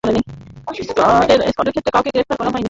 স্কটের ক্ষেত্রে কাউকে গ্রেপ্তার করা হয়নি।